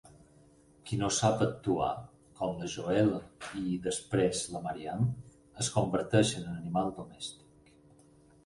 Qui no sap actuar, com la Joella i, després, la Mariam, es converteixen en animal domèstic.